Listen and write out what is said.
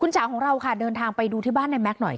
คุณสาวของเราค่ะเดินทางไปดูที่บ้านในแม็กซ์หน่อยค่ะ